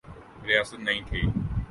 ریاست نئی تھی۔